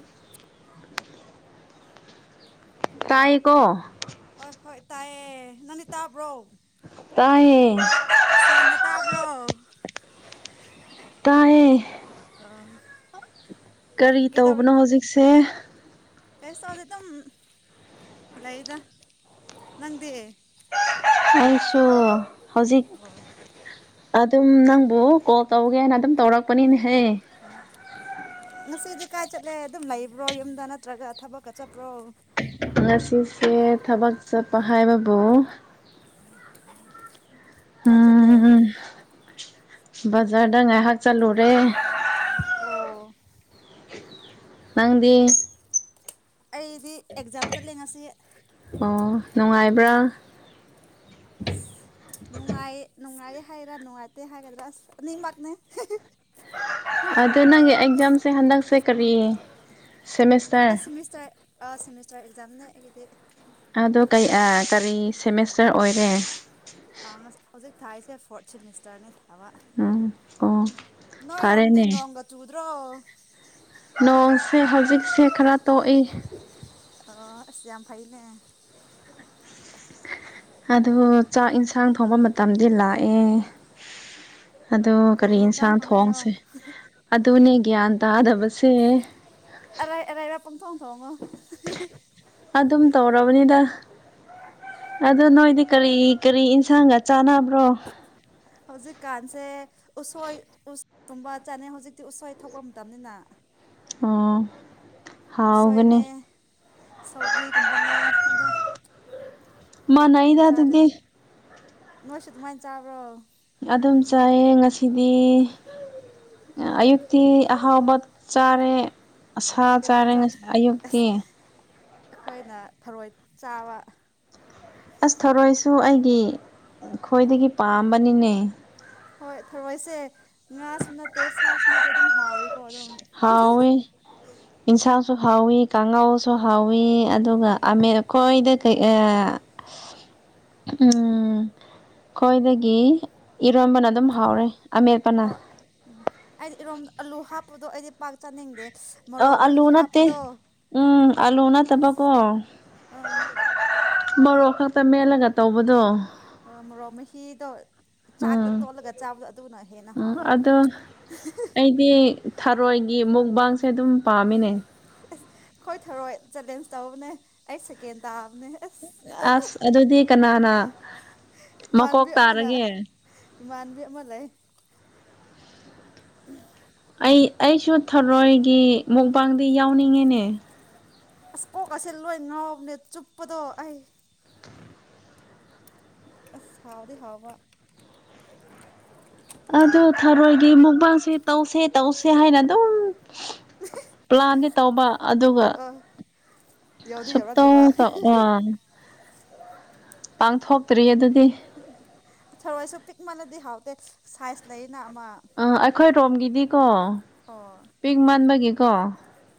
[inaudible] Hello ꯇꯥꯏꯀꯣ ꯑꯣꯏ ꯍꯣꯏ ꯇꯥꯏꯌꯦ ꯅꯪꯗꯤ ꯇꯥꯕ꯭ꯔꯣ꯫ ꯇꯥꯏꯌꯦ ꯁꯦꯡꯅ ꯇꯥꯕ꯭ꯔꯣ꯫ ꯇꯥꯏꯌꯦ꯫ ꯑ꯫ ꯀꯔꯤ ꯇꯧꯕꯅꯣ ꯍꯧꯖꯤꯛꯁꯦ꯫ ꯀꯩꯁꯨ ꯇꯧꯗꯦ ꯗꯨꯝ ꯂꯩꯗ ꯅꯪꯗꯤ꯫ ꯑꯩꯁꯨ ꯍꯧꯖꯤꯛ ꯑꯣ ꯑꯗꯨꯝ ꯅꯪꯕꯨ ꯀꯣꯜ ꯇꯧꯒꯦꯅ ꯑꯗꯨꯝ ꯇꯧꯔꯛꯄꯅꯤꯅꯦꯍꯦ꯫ ꯑ ꯉꯁꯤꯗꯤ ꯀꯥꯏ ꯆꯠꯂꯦ ꯑꯗꯨꯝ ꯂꯩꯕ꯭ꯔꯣ ꯌꯨꯝꯗ ꯅꯠꯇ꯭ꯔꯒ ꯊꯕꯛꯀ ꯆꯠꯄ꯭ꯔꯣ꯫ ꯉꯁꯤꯁꯦ ꯊꯕꯛ ꯆꯠꯄ ꯍꯥꯏꯕꯕꯨ ꯀꯥꯏ ꯆꯠꯂꯦ꯫ ꯎꯝ ꯕꯖꯥꯔꯗ ꯉꯥꯏꯍꯥꯛ ꯆꯠꯂꯨꯔꯦ꯫ ꯑꯣ꯫ ꯅꯪꯗꯤ꯫ ꯑꯩꯗꯤ ꯑꯦꯛꯖꯥꯝ ꯆꯠꯂꯦ ꯉꯁꯤ꯫ ꯑꯣ ꯅꯨꯡꯉꯥꯏꯕ꯭ꯔꯥ꯫ ꯅꯨꯡꯉꯥꯏ ꯅꯨꯡꯉꯥꯏꯌꯦ ꯍꯥꯏꯔꯥ ꯅꯨꯡꯉꯥꯏꯇꯦ ꯍꯥꯏꯒꯗ꯭ꯔꯥ ꯑꯁ ꯑꯅꯤꯃꯛꯅꯦ꯫ ꯑꯗꯨ ꯅꯪꯒꯤ ꯑꯦꯛꯖꯥꯝꯁꯦ ꯍꯟꯗꯛꯁꯦ ꯀꯔꯤ ꯁꯦꯃꯦꯁ ꯑ ꯁꯤꯃꯤꯁꯇꯔ ꯁꯤꯃꯤꯁꯇꯔ ꯑꯦꯛꯖꯥꯝꯅꯦ ꯑꯩꯒꯤꯗꯤ꯫ ꯑꯗꯣ ꯀꯩ ꯑ ꯀꯔꯤ ꯁꯦꯃꯦꯁꯇꯔ ꯑꯣꯏꯔꯦ꯫ ꯑ ꯉꯁ-ꯍꯧꯖꯤꯛ ꯊꯥꯔꯤꯁꯦ ꯐꯣꯔꯠ ꯁꯤꯃꯦꯁꯇꯔꯅꯦ ꯊꯥꯕ ꯎꯝ ꯑꯣ ꯅꯣꯏꯔꯣꯝꯗꯤ ꯐꯔꯦꯅꯦ ꯅꯣꯡꯒ ꯆꯨꯗ꯭ꯔꯣ꯫ ꯅꯣꯡꯁꯦ ꯍꯧꯖꯤꯛꯁꯦ ꯈꯔ ꯇꯣꯛꯏ꯫ ꯑꯁ ꯌꯥꯝ ꯐꯥꯏꯅꯦ ꯑꯗꯨ ꯆꯥꯛ ꯏꯟꯁꯥꯡ ꯊꯣꯡꯕ ꯃꯇꯝꯗꯤ ꯂꯥꯛꯑꯦ ꯑꯗꯨ ꯀꯔꯤ ꯌꯦꯟꯖꯥꯡ ꯌꯦꯟꯁꯥꯡ ꯊꯣꯡꯗꯣꯏꯅꯣ ꯊꯣꯡꯁꯦ ꯑꯗꯨꯅꯦ ꯒ꯭ꯌꯥꯟ ꯇꯥꯗꯕꯁꯦ ꯑꯔꯩ ꯑꯔꯩꯕ ꯄꯪꯊꯣꯡ ꯊꯣꯡꯉꯣ ꯑꯗꯨꯝ ꯇꯧꯔꯕꯅꯤꯗ ꯑꯗꯨ ꯅꯣꯏꯗꯤ ꯀꯔꯤ ꯀꯔꯤ ꯏꯟꯁꯥꯡꯒ ꯆꯥꯟꯅꯕ꯭ꯔꯣ ꯍꯧꯖꯤꯛꯀꯥꯟꯁꯦ ꯎꯁꯣꯏ ꯇꯨꯝꯕ ꯆꯠꯅꯩ ꯍꯧꯖꯤꯛꯇꯤ ꯎꯁꯣꯏ ꯊꯣꯛꯄ ꯃꯇꯝꯅꯤꯅ ꯑꯣ ꯍꯥꯎꯒꯅꯤ ꯎꯁꯣꯏꯅꯦ ꯁꯧꯒ꯭ꯔꯤꯒꯨꯝꯕꯅꯦ ꯑꯗꯣ ꯃꯥ ꯑꯗꯨꯝ ꯅꯩꯗ ꯆꯥꯔꯦ ꯑꯗꯨꯗꯤ ꯅꯣꯏꯁꯨ ꯑꯗꯨꯃꯥꯏꯅ ꯆꯥꯕ꯭ꯔꯣ ꯑꯗꯨꯝ ꯆꯥꯏꯌꯦ ꯉꯁꯤꯗꯤ ꯑꯌꯨꯛꯇꯤ ꯑꯍꯧꯕ ꯆꯥꯔꯦ ꯑꯁꯥ ꯀꯔꯤ ꯆꯥꯔꯦ ꯉꯥ ꯑꯌꯨꯛꯇꯤ ꯑꯈꯣꯏꯅ ꯊꯔꯣꯏ ꯆꯥꯕ ꯑꯁ ꯊꯣꯔꯣꯏꯁꯨ ꯑꯩꯒꯤ ꯈ꯭ꯋꯥꯏꯗꯒꯤ ꯄꯥꯝꯕꯅꯤꯅꯦ ꯍꯣꯏ ꯊꯔꯣꯏꯁꯦ ꯉꯥꯁꯨ ꯅꯠꯇꯦ ꯁꯥꯁꯨ ꯅꯠꯇꯦ ꯑꯗꯨꯝ ꯍꯥꯎꯋꯀꯣ ꯑꯗꯨꯝ ꯍꯥꯎꯋꯤ ꯌꯤꯟꯁꯥꯡꯁꯨ ꯍꯥꯎꯋꯤ ꯀꯥꯡꯉꯧꯁꯨ ꯍꯥꯎꯋꯤ ꯑꯗꯨꯒ ꯑꯃꯦꯠ ꯀꯣꯏꯗ ꯀꯩ ꯑ ꯎꯝ ꯈꯣꯏꯗꯒꯤ ꯏꯔꯣꯟꯕꯅ ꯑꯗꯨꯝ ꯍꯥꯎꯔꯦ ꯑꯃꯦꯠꯄꯅ ꯑ ꯎꯝ ꯑꯩꯗꯤ ꯏꯔꯣꯝ ꯑꯂꯨ ꯍꯥꯞꯄꯗꯣ ꯑꯩꯗꯤ ꯄꯥꯛ ꯆꯥꯅꯤꯡꯗꯦ ꯑ ꯃꯣꯔꯣꯛ ꯑꯥꯂꯨ ꯃꯍꯤ ꯅꯠꯇꯦ ꯍꯥꯞꯄꯗꯣ ꯎꯝ ꯑꯥꯂꯨ ꯑꯁ ꯅꯠꯇꯕꯀꯣ ꯑꯥ ꯃꯣꯔꯣꯛ ꯈꯛꯇ ꯃꯦꯜꯂꯒ ꯇꯧꯕꯗꯣ ꯑ ꯃꯣꯔꯣꯛ ꯃꯍꯤꯗꯣ ꯆꯥꯛꯇ ꯎꯝ ꯇꯣꯜꯂꯒ ꯆꯥꯕꯗꯣ ꯑꯗꯨꯅ ꯍꯦꯟꯅ ꯎꯝ ꯍꯥꯎꯋꯦ ꯑꯗꯣ ꯑꯩꯗꯤ ꯊꯔꯣꯏꯒꯤ ꯃꯨꯛꯕꯥꯡꯁꯦ ꯑꯗꯨꯝ ꯄꯥꯝꯃꯤꯅꯦ ꯈꯣꯏ ꯊꯔꯣꯏ ꯆꯦꯂꯦꯟꯖ ꯇꯧꯕꯅꯦ ꯑꯩ ꯁꯦꯀꯦꯟ ꯇꯥꯕꯅꯦ ꯑꯁ ꯑꯁ ꯑꯗꯨꯗꯤ ꯀꯅꯥꯅ ꯃꯀꯣꯛ ꯏꯃꯥꯟꯕꯤ ꯑꯃꯅ ꯇꯥꯔꯒꯦ ꯏꯃꯥꯟꯕꯤ ꯑꯃ ꯂꯩ ꯑꯩ ꯑꯩꯁꯨ ꯊꯔꯣꯏꯒꯤ ꯃꯨꯛꯕꯥꯡꯗꯤ ꯌꯥꯎꯅꯤꯡꯉꯦꯅꯦ ꯀꯣꯛ ꯑꯁꯦ ꯂꯣꯏ ꯉꯥꯎꯕꯅꯦ ꯆꯨꯞꯄꯗꯣ ꯑꯩ ꯑꯁ ꯍꯧꯗꯤ ꯍꯧꯕ ꯑꯗꯨ ꯊꯔꯣꯏꯗꯤ ꯃꯨꯛꯕꯥꯡꯁꯦ ꯇꯧꯁꯦ ꯇꯧꯁꯦ ꯍꯥꯏꯅ ꯑꯗꯨꯝ ꯄ꯭ꯂꯥꯟꯗꯤ ꯇꯧꯕ ꯑꯗꯨꯒ ꯑ ꯌꯥꯎꯗꯤ ꯌꯥꯎꯔꯛꯇꯕ ꯁꯨꯞꯇꯧ ꯇꯧ ꯑꯥ ꯄꯥꯡꯊꯣꯛꯇ꯭ꯔꯤ ꯑꯗꯨꯗꯤ ꯊꯔꯣꯏꯁꯨ ꯄꯤꯛ ꯃꯜꯂꯗꯤ ꯍꯥꯎꯇꯦ ꯁꯥꯏꯖ ꯂꯩꯅ ꯑꯃ ꯑ ꯑꯩꯈꯣꯏ ꯔꯣꯝꯒꯤꯗꯤꯀꯣ ꯑꯣ ꯄꯤꯛ ꯃꯥꯟꯕꯒꯤꯀꯣ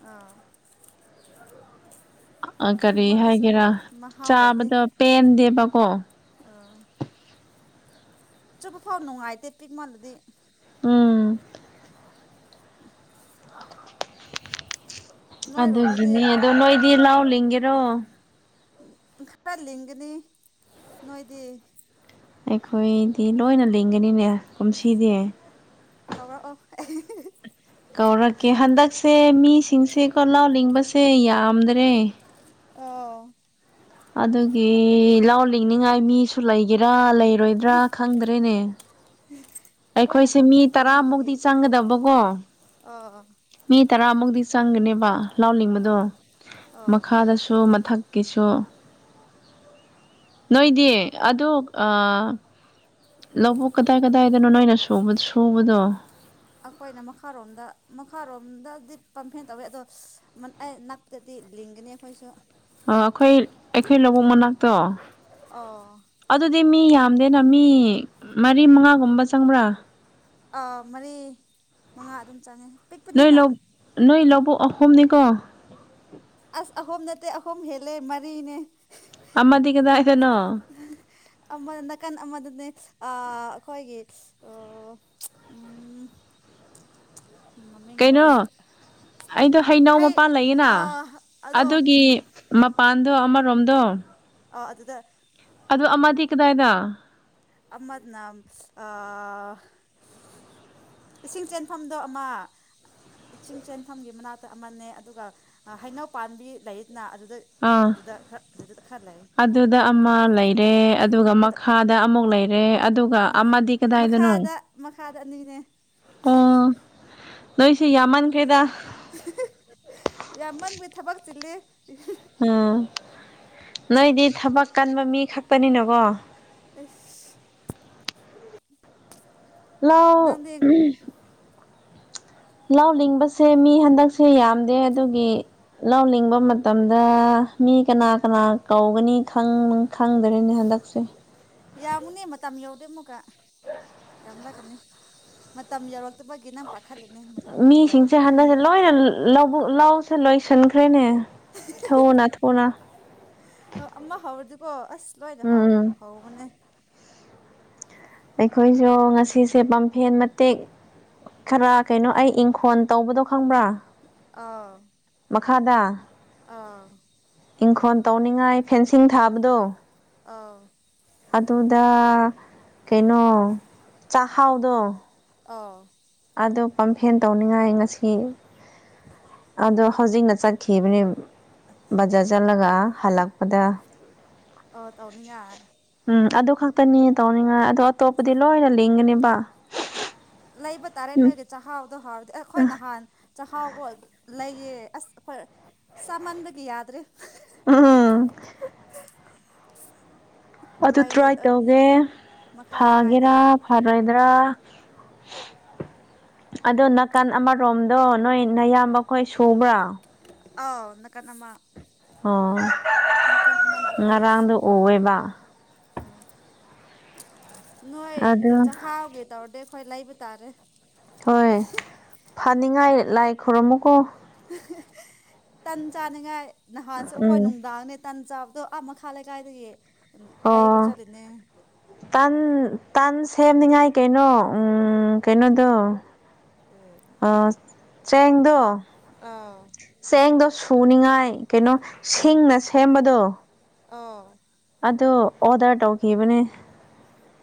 ꯑꯥ ꯑ ꯀꯔꯤ ꯄꯤꯛꯃꯜꯂꯁꯨ ꯍꯥꯏꯒꯦꯔꯥ ꯃꯍꯥꯎ ꯂꯩꯇꯦ ꯆꯥꯕꯗꯣ ꯄꯦꯟꯗꯦꯕꯀꯣ ꯑꯥ ꯆꯨꯞꯄ ꯐꯥꯎ ꯅꯨꯡꯉꯥꯏꯇꯦ ꯄꯤꯛ ꯃꯥꯜꯂꯗꯤ ꯎꯝ [unintelligible] ꯅꯣꯏꯔꯣꯝꯗꯗꯤ ꯑꯗꯨꯒꯤꯅꯦ ꯑꯗꯣ ꯅꯣꯏꯗꯤ ꯂꯥꯎ ꯂꯤꯡꯒꯦꯔꯣ ꯈꯔ ꯂꯤꯡꯒꯅꯤ ꯅꯣꯏꯗꯤ ꯑꯩꯈꯣꯏꯗꯤ ꯂꯣꯏꯅ ꯂꯤꯡꯒꯅꯤꯅꯦ ꯑꯁ ꯀꯨꯝꯁꯤꯗꯤ ꯀꯧꯔꯛꯑꯣ ꯀꯧꯔꯛꯀꯦ ꯍꯟꯗꯛꯁꯦ ꯃꯤꯁꯤꯡꯁꯦꯀꯣ ꯂꯥꯎ ꯂꯤꯡꯕꯁꯦ ꯌꯥꯝꯗ꯭ꯔꯦ ꯑꯣ ꯑꯗꯨꯒꯤ ꯂꯥꯎ ꯂꯤꯡꯅꯤꯡꯉꯥꯏ ꯃꯤꯁꯨ ꯂꯩꯒꯦꯔꯥ ꯂꯩꯔꯣꯏꯕ꯭ꯔꯥ ꯈꯪꯗ꯭ꯔꯦꯅꯦ ꯂꯣꯏꯅ ꯑꯩꯈꯣꯏꯁꯦ ꯃꯤ ꯄꯝꯐꯦꯟ ꯇꯧꯅꯕꯒꯤ ꯇꯔꯥꯃꯨꯛꯇꯤ ꯆꯪꯒꯗꯕꯀꯣ ꯑꯥ ꯑ ꯃꯤ ꯇꯔꯥꯃꯨꯛꯇꯤ ꯆꯪꯒꯅꯦꯕ ꯂꯧ ꯅꯤꯡꯕꯗꯣ ꯑꯥ ꯑꯥ ꯃꯈꯥꯗ ꯁꯨ ꯃꯊꯛꯀꯤꯁꯨ ꯅꯣꯏꯗꯤ ꯑꯗꯨ ꯂꯧꯕꯨꯛ ꯀꯗꯥꯏ ꯀꯗꯥꯏꯗꯅꯣ ꯅꯣꯏꯅ ꯁꯨꯕꯗꯣ ꯑꯩꯈꯣꯏꯅ ꯃꯈꯥꯔꯣꯝꯗ ꯃꯈꯥꯔꯣꯝꯗꯗꯤ ꯄꯝꯐꯦꯟ ꯇꯧꯋꯤ ꯑꯗꯣ ꯗꯗꯤ ꯂꯤꯡꯒꯅꯤ ꯑꯩꯈꯣꯏꯁꯨ ꯑꯩꯈꯣꯏ ꯑꯩꯈꯣꯏ ꯂꯧꯕꯨꯛ ꯃꯅꯥꯛꯇꯣ ꯑꯥ ꯑꯗꯨꯗꯤ ꯃꯤ ꯌꯥꯝꯗꯦꯅ ꯃꯤ ꯃꯔꯤ ꯃꯉꯥꯒꯨꯝꯕ ꯆꯪꯕ꯭ꯔꯥ ꯥ ꯃꯔꯤ ꯃꯉꯥ ꯑꯗꯨꯝ ꯆꯪꯉꯦ ꯅꯣꯏ ꯄꯤꯛꯄꯅꯤꯅ ꯅꯣꯏ ꯂꯧꯕꯨꯛ ꯑꯍꯨꯝꯅꯤꯀꯣ ꯑꯁ ꯑꯍꯨꯝ ꯅꯠꯇꯦ ꯑꯍꯨꯝ ꯍꯦꯜꯂꯦ ꯃꯔꯤꯅꯦ ꯑꯃꯗꯤ ꯀꯗꯥꯏꯗꯅꯣ ꯑꯃꯗ ꯅꯥꯀꯟ ꯑꯃꯗꯅꯦ ꯑ ꯑꯩꯈꯣꯏꯒꯤ ꯎꯝ ꯃꯃꯤꯡꯗꯣ ꯑꯩ ꯀꯩꯅꯣ ꯍꯟꯗꯛ ꯑꯩꯗꯣ ꯍꯩꯅꯧ ꯃꯄꯥꯟ ꯂꯩꯌꯦꯅ ꯑꯗꯣ ꯑꯗꯨꯒꯤ ꯎꯝ ꯃꯄꯥꯟꯗꯣ ꯑꯃꯔꯣꯝꯗꯣ ꯑ ꯑꯗꯨꯗ ꯑꯗꯣ ꯑꯃꯗꯤ ꯀꯗꯥꯏꯗ ꯑꯃ ꯅꯥꯝ ꯑ ꯏꯁꯤꯡ ꯆꯦꯟꯐꯝꯗꯣ ꯑꯃ ꯏꯁꯤꯡ ꯆꯦꯟꯐꯝꯒꯤ ꯃꯅꯥꯛꯇ ꯑꯃꯅꯦ ꯑꯗꯨꯒ ꯍꯩꯅꯧ ꯄꯥꯝꯕꯤ ꯂꯩꯅ ꯑꯗꯨꯗ ꯑꯥ ꯑꯗꯨꯗ ꯈꯔ ꯑꯗꯨꯗ ꯈꯔ ꯂꯩ ꯑꯗꯨꯗ ꯑꯃ ꯂꯩꯔꯦ ꯑꯗꯨꯒ ꯑꯗꯣ ꯃꯈꯥ ꯗ ꯑꯃꯨꯛ ꯂꯩꯔꯦ ꯑꯗꯨꯒ ꯑꯃꯗꯤ ꯀꯗꯥꯏꯗꯅꯣ ꯃꯈꯥꯗ ꯃꯈꯥꯗ ꯑꯅꯤꯅꯦ ꯑꯣ ꯅꯣꯏꯁꯦ ꯌꯥꯝꯃꯟꯈꯦꯗ ꯌꯥꯝꯟꯕꯩ ꯊꯕꯛ ꯆꯤꯜꯂꯤ ꯎꯝ ꯅꯣꯏꯗꯤ ꯊꯕꯛ ꯀꯟꯕ ꯃꯤ ꯈꯛꯇꯅꯤꯅꯀꯣ ꯑꯁ ꯂꯥꯎ ꯅꯪꯗꯤ ꯂꯧ ꯂꯤꯡꯕꯁꯦ ꯃꯤ ꯍꯟꯗꯛꯁꯦ ꯌꯥꯝꯗꯦ ꯑꯗꯨꯒꯤ ꯂꯧ ꯂꯤꯡꯕ ꯃꯇꯝꯗ ꯃꯤ ꯀꯅꯥ ꯀꯅꯥ ꯀꯧꯒꯅꯤ ꯈꯪ ꯈꯪꯗꯔꯦꯅꯦ ꯍꯟꯗꯛꯁꯦ ꯌꯥꯝꯃꯨꯅꯦ ꯃꯇꯝ ꯌꯧꯔꯗꯦ ꯑꯃꯨꯛꯀ ꯌꯥꯝ ꯂꯥꯛꯀꯅꯤ ꯃꯇꯝ ꯌꯧꯔ ꯐꯠꯇꯕꯒꯤꯅ ꯄꯥꯈꯠꯂꯤꯅꯦ ꯃꯇꯝ ꯍꯦꯛ ꯃꯤꯁꯤꯡꯁꯦ ꯌꯥꯎꯔꯗꯤ ꯑꯗꯨꯝ [unintelligible] ꯂꯧꯕꯨꯛ ꯂꯧꯁꯨ ꯂꯣꯏꯁꯟꯈ꯭ꯔꯦꯅꯦ ꯊꯨꯅ ꯊꯨꯅ꯫ ꯑꯣ ꯑꯃ ꯍꯧꯔꯗꯤꯀꯣ ꯑꯁ ꯂꯣꯏꯅ ꯎꯝ ꯍꯧ-ꯍꯧꯕꯅꯦ꯫ ꯑꯩꯈꯣꯏꯁꯨ ꯉꯁꯤꯁꯦ ꯄꯝꯐꯦꯟ ꯃꯇꯦꯛ ꯈꯔ ꯀꯩꯅꯣ ꯑꯩ ꯏꯪꯈꯣꯟ ꯇꯧꯕꯗꯣ ꯈꯪꯕ꯭ꯔꯥ꯫ ꯑ꯫ ꯃꯈꯥꯗ꯫ ꯑ꯫ ꯏꯪꯈꯣꯟ ꯇꯧꯅꯤꯡꯉꯥꯏ ꯐꯦꯟꯁꯤꯡ ꯊꯥꯕꯗꯣ꯫ ꯑ꯫ ꯑꯗꯨꯗ ꯀꯩꯅꯣ ꯆꯥꯍꯥꯎꯗꯣ ꯑ꯫ ꯑꯗꯨ ꯄꯝꯐꯦꯟ ꯇꯧꯅꯤꯉꯥꯏ ꯉꯁꯤ ꯑꯗꯣ ꯍꯧꯖꯤꯛꯅ ꯆꯠꯈꯤꯕꯅꯦ꯫ ꯕꯖꯥꯔ ꯆꯠꯂꯒ ꯍꯜꯂꯛꯄꯗ ꯑꯣ ꯇꯧꯅꯤꯡꯉꯥꯏ ꯎꯝ ꯑꯗꯨ ꯈꯛꯇꯅꯦ ꯇꯧꯅꯤꯡꯉꯥꯏ ꯑꯗꯣ ꯑꯇꯣꯞꯄꯗꯤ ꯂꯣꯏꯅ ꯂꯤꯡꯒꯅꯤꯕ꯫ ꯎꯝ ꯂꯩꯕ ꯇꯥꯔꯦ ꯅꯣꯏꯒꯤ ꯆꯥꯛꯍꯥꯎꯗꯣ ꯍꯥꯎꯔꯗꯤ ꯑꯩꯈꯣꯏ ꯅꯍꯥꯟ ꯆꯥꯛꯍꯥꯎꯀꯣ ꯂꯩꯌꯦ ꯑꯁ ꯑꯩꯈꯣꯏ ꯆꯥꯃꯟꯕꯒꯤ ꯌꯥꯗ꯭ꯔꯦ꯫ ꯎꯝ꯫ ꯑꯗꯨ ꯂꯩꯌꯦ ꯇ꯭ꯔꯥꯏ ꯇꯧꯒꯦ ꯃꯈꯥ ꯂꯩꯀꯥꯏꯗ ꯐꯒꯦꯔꯥ ꯐꯔꯣꯏꯗ꯭ꯔꯥ꯫ ꯑꯗꯣ ꯅꯥꯀꯟ ꯑꯃꯔꯣꯝꯗꯣ ꯅꯣꯏ ꯅꯌꯥꯝꯕꯈꯣꯏ ꯁꯨꯕ꯭ꯔꯥ꯫ ꯑꯧ ꯅꯥꯀꯟ ꯑꯃ꯫ ꯑꯣ ꯅꯥꯀꯟ ꯑꯃꯅ ꯑꯩꯈꯣꯏ ꯉꯔꯥꯡꯗꯣ ꯁꯨꯕ꯫ ꯎꯑꯦꯕ ꯑ ꯅꯣꯏ ꯑꯗꯨ ꯆꯍꯥꯎꯒꯤ ꯇꯧꯔꯗꯤ ꯑꯩꯈꯣꯏ ꯂꯩꯕ ꯇꯥꯔꯦ꯫ ꯍꯣꯏ ꯐꯅꯤꯡꯉꯥꯏ ꯂꯥꯏ ꯈꯨꯔꯝꯃꯨꯀꯣ꯫ ꯇꯟ ꯆꯥꯅꯤꯡꯉꯥꯏ ꯅꯍꯥꯟꯁꯨ ꯑꯩꯈꯣꯏ ꯎꯝ ꯅꯨꯡꯗꯥꯡꯅꯦ ꯇꯟ ꯆꯥꯕꯗꯣ ꯑꯥ ꯃꯈꯥ ꯂꯩꯀꯥꯏꯗꯒꯤ ꯎ ꯂꯩꯕ ꯑꯣ ꯆꯠꯂꯤꯅꯦ꯫ ꯇꯟ ꯇꯟ ꯁꯦꯝꯅꯤꯡꯉꯥꯏ ꯀꯩꯅꯣ ꯎꯝ ꯀꯩꯅꯣꯗꯣ ꯀꯩꯕꯨ꯫ ꯑ ꯆꯦꯡꯗꯣ꯫ ꯑꯥ꯫ ꯆꯦꯡꯗꯣ ꯁꯨꯅꯤꯉꯥꯏ ꯀꯩꯅꯣ ꯁꯤꯡꯅ ꯁꯦꯝꯕꯗꯣ꯫ ꯑ꯫ ꯑꯗꯨ ꯑꯣꯗꯔ ꯇꯧꯈꯤꯕꯅꯦ꯫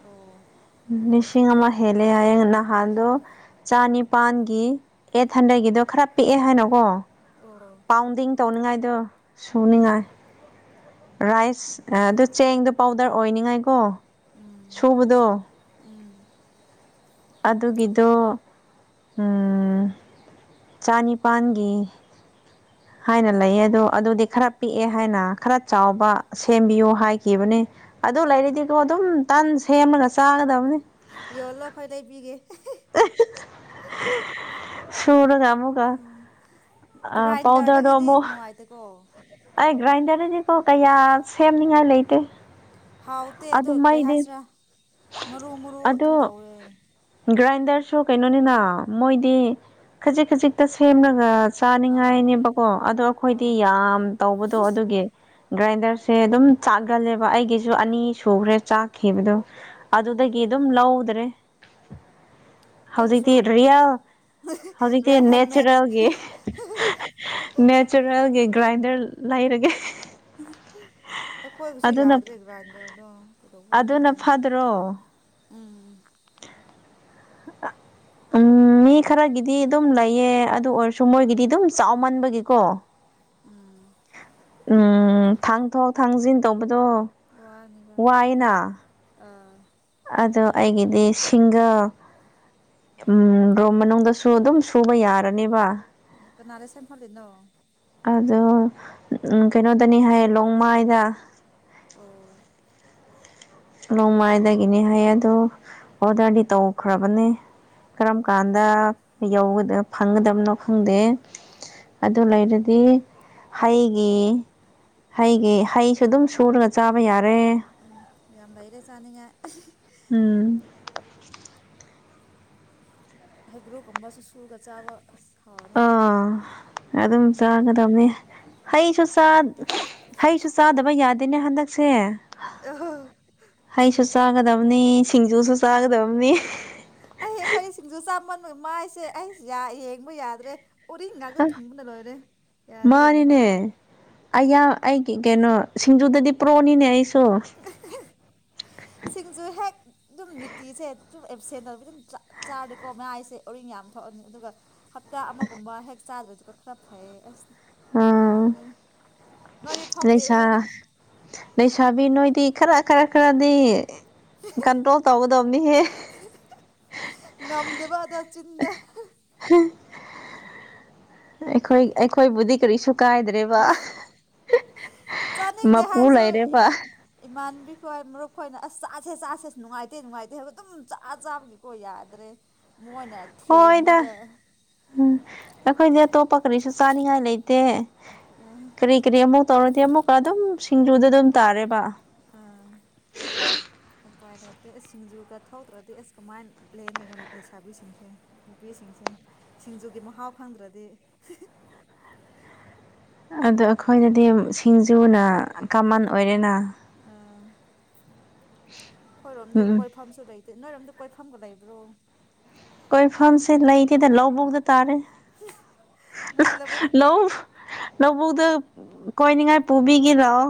ꯑꯣ꯫ ꯎꯝ ꯂꯤꯁꯤꯡ ꯑꯃ ꯍꯦꯜꯂꯦ ꯍꯥꯏꯌꯦ ꯅꯍꯥꯟꯗꯣ ꯆꯅꯤꯄꯥꯟꯒꯤ ꯑꯩꯠ ꯍꯟꯗ꯭ꯔꯦꯠꯀꯤꯗꯣ ꯈꯔ ꯄꯤꯛꯑꯦ ꯍꯥꯏꯅꯀꯣ꯫ ꯑꯣ꯫ ꯄꯥꯎꯟꯗꯤꯡ ꯇꯧꯅꯤꯡꯉꯥꯏꯗꯣ ꯁꯨꯅꯤꯉꯥꯏ꯫ ꯎꯝ ꯔꯥꯏꯁ ꯑꯗꯨ ꯆꯦꯡꯗꯣ ꯄꯥꯎꯗꯔ ꯑꯣꯏꯅꯤꯉꯥꯏꯀꯣ ꯎꯝ ꯁꯨꯕꯗꯣ꯫ ꯎꯝ꯫ ꯑꯗꯨꯒꯤꯗꯣ ꯎꯝ ꯆꯅꯤꯄꯥꯥꯟꯒꯤ ꯍꯥꯏꯅ ꯂꯩꯌꯦ ꯑꯗꯣ ꯑꯗꯨꯗꯤ ꯈꯔ ꯄꯤꯛꯑꯦ ꯍꯥꯏꯅ ꯈꯔ ꯆꯥꯎꯕ ꯁꯦꯝꯕꯤꯌꯨ ꯍꯥꯏꯈꯤꯕꯅꯦ꯫ ꯑꯗꯨ ꯂꯩꯔꯗꯤꯀꯣ ꯑꯗꯨꯝ ꯇꯟ ꯁꯦꯝꯃꯒ ꯆꯥꯒꯗꯕꯅꯦ꯫ ꯌꯣꯜꯂꯣ ꯑꯩꯈꯣꯏ ꯂꯩꯕꯤꯒꯦ꯫ [unintelligible] ꯁꯨꯔꯒ ꯑꯃꯨꯛꯀ ꯄꯥꯎꯗꯔꯗꯣ ꯒ꯭ꯔꯥꯏꯟꯗꯔꯗꯒꯤꯗꯤ ꯑꯃꯨꯛ ꯅꯨꯡꯉꯥꯏꯇꯦꯀꯣ ꯑꯩ ꯒ꯭ꯔꯥꯏꯟꯗꯔꯗꯗꯤꯀꯣ ꯀꯌꯥ ꯁꯦꯝꯅꯤꯡꯉꯥꯏ ꯂꯩꯇꯦ ꯍꯥꯎꯇꯦ ꯑꯗꯣ ꯑꯗꯨ ꯀꯩ ꯃꯩꯗꯤ ꯍꯥꯏꯁꯤꯔꯥ ꯃꯔꯨ ꯃꯔꯨ ꯑꯗꯨ ꯑꯗꯨꯝ ꯇꯧꯋꯦ ꯒ꯭ꯔꯥꯏꯟꯗꯔꯁꯨ ꯀꯩꯅꯣꯅꯤꯅ ꯃꯣꯏꯗꯤ ꯈꯖꯤꯛ ꯈꯖꯤꯛꯇ ꯁꯦꯝꯂꯒ ꯑꯥ ꯆꯥꯅꯤꯡꯉꯥꯏꯅꯦꯕꯀꯣ ꯑꯗꯣ ꯑꯩꯈꯣꯏꯗꯤ ꯑꯥ ꯌꯥꯝ ꯇꯧꯕꯗꯣ ꯑꯗꯨꯒꯤ ꯒ꯭ꯔꯥꯏꯟꯗꯔꯁꯦ ꯑꯗꯨꯝ ꯆꯥꯛꯒꯜꯂꯦꯕ ꯑꯩꯒꯤꯁꯨ ꯑꯅꯤ ꯁꯨꯈ꯭ꯔꯦ ꯆꯥꯛ ꯈꯤꯕꯗꯣ ꯎꯝ ꯑꯗꯨꯗꯒꯤ ꯑꯗꯨꯝ ꯂꯧꯗ꯭ꯔꯦ ꯑꯩꯒꯤꯁꯨ ꯍꯧꯖꯤꯛꯇꯤ ꯔꯤꯌꯦꯜ ꯍꯧꯖꯤꯛꯇꯤ ꯔꯤꯌꯦꯜ ꯍꯦꯟꯃꯦꯠ ꯅꯦꯆꯔꯦꯜꯒꯤ ꯅꯦꯆꯔꯦꯜꯒꯤ ꯒ꯭ꯔꯥꯏꯟꯗꯔ ꯂꯩꯔꯒꯦ ꯈꯣꯏꯕꯨꯁꯨ ꯑꯗꯨꯅ ꯌꯥꯗ꯭ꯔꯦ ꯒ꯭ꯔꯥꯏꯟꯗꯔꯗꯣ ꯀꯩꯗꯧꯕꯧꯕꯗ ꯑꯗꯨꯅ ꯈꯪꯗꯦ ꯐꯗ꯭ꯔꯣ ꯎꯝ ꯑ ꯎꯝ ꯃꯤ ꯈꯔꯒꯤꯗꯤ ꯑꯗꯨꯝ ꯂꯩꯌꯦ ꯑꯗꯨ ꯑꯣꯏꯔꯁꯨ ꯃꯣꯏꯒꯤꯗꯤ ꯑꯗꯨꯝ ꯆꯥꯎꯃꯟꯕꯒꯤꯀꯣ ꯎꯝ ꯎꯝ ꯊꯥꯡ ꯊꯣꯛ ꯊꯥꯡꯖꯤꯟ ꯇꯧꯕꯗꯣ ꯋꯥꯅꯦꯕ ꯋꯥꯏꯅ ꯑꯥ ꯑꯗꯣ ꯑꯩꯒꯤꯗꯤ ꯁꯤꯡꯒꯜ ꯗꯣ ꯃꯅꯨꯡꯗꯁꯨ ꯑꯗꯨꯝ ꯁꯨꯕ ꯌꯥꯔꯅꯦꯕ ꯀꯅꯥꯗꯥ ꯁꯦꯝꯍꯜꯂꯤꯅꯣ ꯑꯗꯣ ꯎ ꯀꯩꯅꯣꯗꯅꯤ ꯍꯥꯏꯌꯦ ꯂꯣꯡꯃꯥꯏꯗ ꯑꯣ ꯅꯣꯡꯃꯥꯏꯗꯒꯤꯅꯤ ꯍꯥꯏꯌꯦ ꯑꯣ ꯑꯣꯗꯔꯗꯤ ꯇꯧꯈ꯭ꯔꯕꯅꯦ ꯀꯔꯝ ꯀꯥꯟꯗ ꯌꯧ ꯐꯪꯒꯗꯕꯅꯣ ꯈꯪꯗꯦ ꯑꯗꯨ ꯂꯩꯔꯗꯤ ꯍꯩꯒꯤ ꯍꯩꯒꯤ ꯁꯤ ꯍꯩꯁꯨ ꯑꯗꯨꯝ ꯁꯨꯔꯒ ꯆꯥꯕ ꯌꯥꯔꯦ ꯑꯝ ꯌꯥꯝ ꯂꯩꯔꯦ ꯆꯥꯅꯤꯡꯉꯥꯏ [unintelligible] ꯎꯝ ꯍꯩꯒ꯭ꯔꯣꯒꯨꯝꯕꯁꯨ ꯁꯨꯔꯒ ꯆꯥꯕ ꯑ ꯍꯥꯎꯔꯅꯤ ꯑꯗꯨꯗꯤ ꯃꯥ ꯇꯝꯅꯦ ꯍꯩꯁꯨ ꯍꯩꯁꯨ ꯆꯥꯗꯕ ꯌꯥꯗꯦꯅꯦ ꯍꯟꯗꯛꯁꯦ ꯑꯍꯥ ꯍꯩꯁꯨ ꯆꯥꯒꯗꯕꯅꯤ ꯁꯤꯡꯖꯨꯁꯨ ꯆꯥꯒꯗꯕꯅꯤ ꯑꯩ ꯑꯩꯈꯣꯏ ꯁꯤꯡꯁꯨ ꯆꯥꯃꯟꯣꯏ ꯃꯥꯏꯁꯦ ꯑꯩ ꯌꯦꯡꯕ ꯌꯥꯗ꯭ꯔꯦ ꯎꯔꯤꯡ ꯉꯥꯛꯇ ꯊꯨꯡꯕꯅ ꯂꯣꯏꯔꯦ ꯌꯥꯗ꯭ꯔꯥ ꯌꯦꯡꯕ ꯃꯥꯅꯤꯅꯦ ꯑꯩꯌꯥ ꯑꯩꯒꯤ ꯀꯩꯅꯣ ꯁꯤꯡꯖꯨꯗꯗꯤ ꯄ꯭ꯔꯣꯅꯤꯅꯦ ꯑꯩꯁꯨ ꯁꯤꯡꯁꯨ ꯍꯦꯛ ꯑꯗꯨꯝ ꯇꯤꯁꯦ ꯁꯨꯝ ꯁꯦꯟꯅꯕ ꯑꯗꯨꯝ ꯆꯥꯔꯗꯤꯀꯣ ꯃꯌꯥꯏꯁꯦ ꯎꯔꯤꯡ ꯌꯥꯝ ꯊꯣꯛꯑꯅꯤ ꯑꯗꯨꯒ ꯍꯞꯇꯥ ꯑꯃꯒꯨꯝꯕ ꯍꯦꯛ ꯆꯥꯗꯕꯗꯨꯒ ꯈꯔ ꯐꯩꯌꯦ ꯑꯁꯅꯤ ꯎꯝ ꯌꯥꯗ꯭ꯔꯦ ꯅꯣꯏꯗꯤ ꯊꯣꯛꯇꯦ ꯂꯩꯁꯥ ꯎꯔꯤꯦꯡ ꯂꯩꯁꯥꯕꯤ ꯅꯣꯏꯗꯤ ꯈꯔ ꯈꯔ ꯈꯔꯗꯤ ꯀꯟꯇ꯭ꯔꯣꯜ ꯇꯧꯒꯗꯕꯅꯤꯍꯦ ꯉꯝꯗꯕꯗ ꯑꯗꯥ ꯑꯩꯈꯣꯏ ꯑꯩꯈꯣꯏꯕꯨꯗꯤ ꯀꯔꯤꯁꯨ ꯀꯥꯏꯗ꯭ꯔꯦ ꯂꯩꯔꯦꯕ ꯆꯥꯅꯤꯡꯗꯦ ꯃꯄꯨ ꯍꯥꯏꯔꯁꯨ ꯂꯩꯔꯦꯕ ꯏꯃꯥꯟꯅꯕꯤ ꯈꯣꯏ ꯃꯔꯨꯞꯈꯣꯏꯅ ꯑꯁ ꯆꯥꯁꯦ ꯆꯥꯁꯦ ꯅꯨꯡꯉꯥꯏꯇꯦ ꯅꯨꯡꯉꯥꯏꯇꯦ ꯍꯥꯏꯕ ꯑꯗꯨꯝ ꯆꯥ ꯆꯥꯕꯒꯤꯀꯣ ꯌꯥꯗ꯭ꯔꯦ ꯃꯣꯏꯅ ꯍꯣꯏꯗ ꯊꯦꯝꯃꯒ ꯎꯝ ꯑꯩꯈꯣꯏꯗꯤ ꯑꯇꯣꯞꯄ ꯀꯔꯤꯁꯨ ꯆꯥꯅꯤꯡꯉꯥꯏ ꯂꯩꯇꯦ ꯎꯝ ꯍꯝ ꯀꯔꯤ ꯀꯔꯤ ꯑꯃꯨꯛ ꯇꯧꯔꯗꯤ ꯑꯃꯨꯛꯀꯥ ꯑꯗꯨꯝ ꯁꯤꯡꯖꯨꯗ ꯑꯗꯨꯝ ꯇꯥꯔꯦꯕ ꯎꯝ ꯎꯄꯥꯏ ꯂꯩꯇꯦ ꯑꯁ ꯁꯤꯡꯖꯨꯒꯥ ꯊꯣꯛꯗ꯭ꯔꯥꯗꯤ ꯑꯁ ꯀꯃꯥꯏꯟ ꯂꯦꯟꯗꯣꯏꯅꯣ ꯂꯩꯁꯥꯕꯤꯁꯤꯡꯁꯦ ꯅꯨꯄꯤꯁꯤꯡꯁꯦ ꯁꯤꯡꯖꯨꯒꯤ ꯃꯍꯥꯎ ꯈꯪꯗ꯭ꯔꯥꯗꯤ ꯑꯗꯧ ꯑꯩꯈꯣꯏꯗꯗꯤ ꯁꯤꯡꯖꯨꯅ ꯀꯃꯟ ꯑꯣꯏꯔꯦꯅ ꯑꯥ [inaudible] ꯑꯈꯣꯏꯔꯣꯝꯗꯤ ꯎꯝ ꯎꯝ ꯀꯣꯏꯐꯝꯁꯨ ꯂꯩꯇꯦ ꯅꯣꯏꯔꯣꯝꯗꯤ ꯀꯣꯏꯐꯝꯒ ꯂꯩꯕ꯭ꯔꯣ ꯀꯣꯏꯐꯝꯁꯦ ꯂꯩꯇꯦꯗ ꯂꯧꯕꯨꯛꯗ ꯇꯥꯔꯦ ꯅꯣꯏ ꯂꯧꯕꯨꯛ ꯂꯧ ꯂꯧꯕꯨꯛꯗ ꯀꯣꯏꯅꯤꯡꯉꯥꯏ ꯄꯨꯕꯤꯒꯦ ꯂꯥꯛꯑꯣ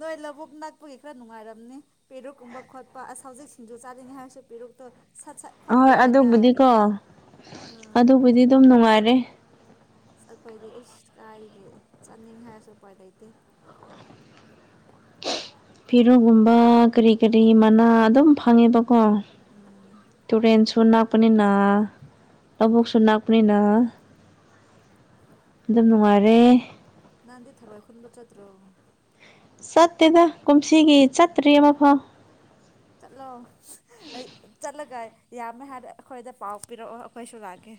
ꯅꯣꯏ ꯂꯧꯕꯨꯛ ꯅꯛꯄꯒꯤ ꯈꯔ ꯅꯨꯡꯉꯥꯏꯔꯝꯅꯤ ꯄꯦꯔꯨꯛꯀꯨꯝꯕ ꯈꯣꯠꯄ ꯑꯁ ꯍꯧꯖꯤꯛ ꯁꯤꯡꯖꯨ ꯆꯥꯅꯤꯡꯉꯦ ꯍꯥꯏꯔꯁꯨ ꯄꯦꯔꯨꯛꯇꯣ ꯁꯠ ꯁꯠ ꯈꯣꯠꯄ ꯑꯍꯣꯏ ꯌꯥꯏꯅ ꯑꯗꯨꯕꯨꯗꯤꯀꯣ ꯑꯥ ꯑꯗꯨꯕꯨꯗꯤ ꯑꯗꯨꯝ ꯅꯨꯡꯉꯥꯏꯔꯦ ꯈꯣꯏꯗꯤ ꯏꯁ ꯀꯥꯏꯗꯒꯤ ꯆꯠꯅꯤꯡꯉꯦ ꯍꯥꯏꯔꯁꯨ ꯎꯄꯥꯏ ꯂꯩꯇꯦ ꯐꯤꯔꯣꯜ ꯒꯨꯝꯕ ꯀꯔꯤ ꯀꯔꯤ ꯃꯅꯥ ꯑꯗꯨꯝ ꯐꯪꯉꯦꯕ ꯀꯣ ꯎꯝ ꯇꯨꯔꯦꯜꯁꯨ ꯅꯛ ꯄꯅꯤꯅ ꯂꯧꯕꯨꯛꯁꯨ ꯅꯛꯄꯅꯤꯅ ꯑꯗꯨꯝ ꯅꯨꯡꯉꯥꯏꯔꯦ ꯅꯍꯥꯟꯗꯤ ꯊꯔꯣꯏ ꯈꯨꯟꯕ ꯆꯠꯇ꯭ꯔꯣ ꯆꯠꯇꯦꯗ ꯀꯨꯝꯁꯤꯒꯤ ꯆꯠꯇ꯭ꯔꯤ ꯑꯃꯐꯥꯎ ꯆꯠꯂꯣ ꯑꯩ ꯆꯠꯂꯒ ꯌꯥꯝꯃꯦ ꯍꯥꯏꯅ ꯑꯩꯈꯣꯏꯗ ꯄꯥꯎ ꯄꯤꯔꯛꯑꯣ ꯑꯈꯣꯏꯁꯨ ꯂꯥꯛꯀꯦ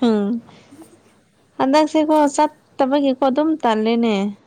ꯍꯝ ꯍꯟꯗꯛꯁꯦꯀꯣ ꯆꯠꯇꯕꯒꯤꯀꯣ ꯑꯗꯨꯝ ꯇꯜꯂꯦꯅꯦ